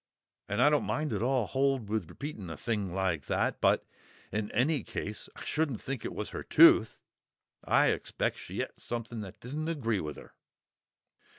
And I don't at all hold with repeating a thing like that. But in any case, I shouldn't think it was her tooth! I expect she et something that didn't agree with her."